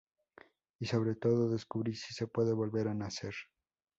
Y sobre todo, descubrir si se puede volver a nacer.